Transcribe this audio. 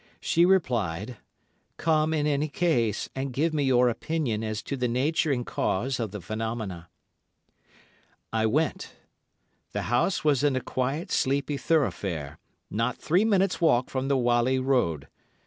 She replied, "Come in any case, and give me your opinion as to the nature and cause of the phenomena." I went. The house was in a quiet, sleepy thoroughfare, not three minutes walk from the Whalley Road.